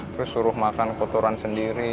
terus suruh makan kotoran sendiri